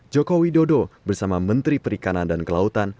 joko widodo bersama menteri perikanan dan kelautan